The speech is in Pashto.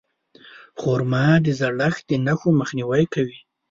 خرما د زړښت د نښو مخنیوی کوي.